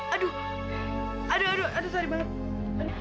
aduh aduh aduh aduh seri banget